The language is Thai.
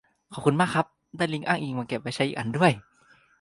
ขอบคุณมากครับ ได้ลิงก์อ้างอิงมาเก็บไว้ใช้อีกอันด้วย